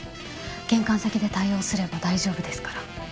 玄関先で対応すれば大丈夫ですから。